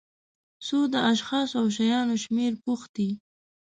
څو د اشخاصو او شیانو شمېر پوښتي.